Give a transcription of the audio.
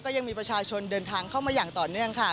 ยังมีประชาชนเดินทางเข้ามาอย่างต่อเนื่องค่ะ